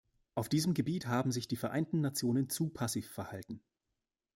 Auf diesem Gebiet haben sich die Vereinten Nationen zu passiv verhalten.